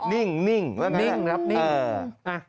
นิ่งนิ่งครับนิ่ง